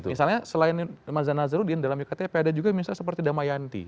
misalnya selain maza nazarudin dalam iktp ada juga misalnya seperti damayanti